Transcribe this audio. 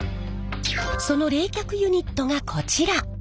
その冷却ユニットがこちら！